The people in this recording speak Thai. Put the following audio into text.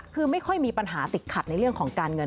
คือไม่ค่อยมีปัญหาติดขัดในเรื่องของการเงิน